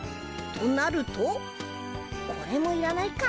となるとこれもいらないか。